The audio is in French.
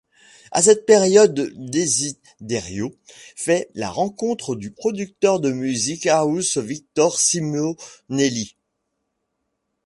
À cette période, Desiderio fait la rencontre du producteur de musique house Victor Simonelli.